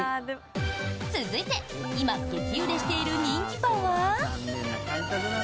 続いて、今、激売れしている人気パンは。